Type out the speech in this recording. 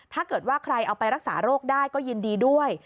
ถ้าเกิดว่าใครเอาไปรักษาโรคได้ก็ยินดีด้วย